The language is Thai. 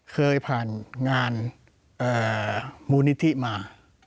เคยผ่านงานมูลนิธิมา